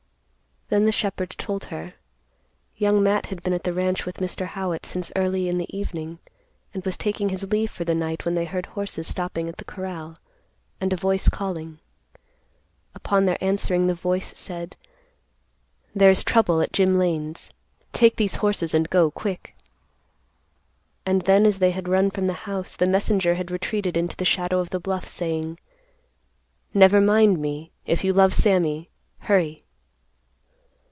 Then the shepherd told her. Young Matt had been at the ranch with Mr. Howitt since early in the evening, and was taking his leave for the night when they heard horses stopping at the corral, and a voice calling. Upon their answering, the voice said, "There is trouble at Jim Lane's. Take these horses and go quick." And then as they had run from the house, the messenger had retreated into the shadow of the bluff, saying, "Never mind me. If you love Sammy, hurry."